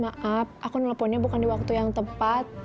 maaf aku nelponnya bukan di waktu yang tepat